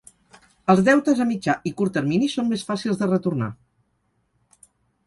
Els deutes a mitjà i curt termini són més fàcils de retornar.